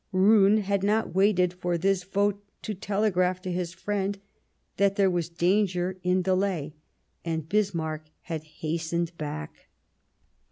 Roon had not waited for this vote to telegraph to his friend that there was " danger in delay," and Bismarck had hastened back.